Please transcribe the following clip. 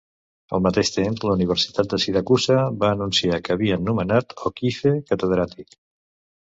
Al mateix temps, la Universitat de Siracusa va anunciar que havien nomenat O'Keefe catedràtic.